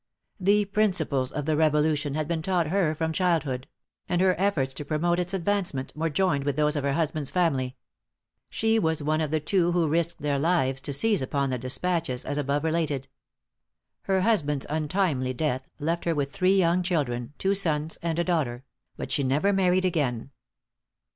The principles of the Revolution had been taught her from childhood; and her efforts to promote its advancement were joined with those of her husband's family. She was one of the two who risked their lives to seize upon the despatches, as above related. Her husband's untimely death left her with three young children two sons and a daughter; but she never married again.